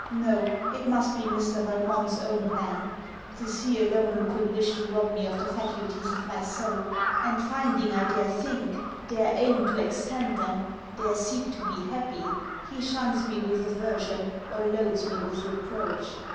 No: it must be Mr. Valmont's own plan; 'tis he alone who could wish to rob me of the faculties of my soul; and, finding I dare think, dare aim to extend them, dare seek to be happy, he shuns me with aversion or loads me with reproach.